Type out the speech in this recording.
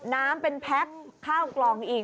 น้ำเป็นแพ็คข้าวกล่องอีก